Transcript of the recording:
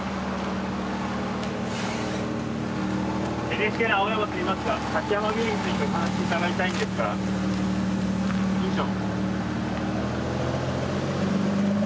ＮＨＫの青山といいますが滝山病院についてお話伺いたいんですが院長。